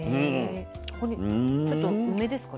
これちょっと梅ですかね？